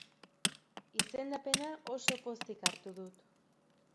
Izendapena oso pozik hartu dut.